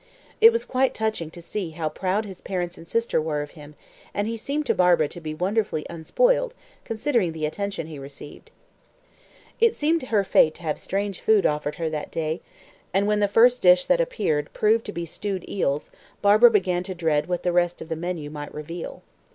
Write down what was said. It was quite touching to see how proud his parents and sister were of him, and he seemed to Barbara to be wonderfully unspoiled, considering the attention he received. It seemed her fate to have strange food offered her that day, and when the first dish that appeared proved to be stewed eels, Barbara began to dread what the rest of the menu might reveal.